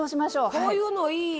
こういうのいい！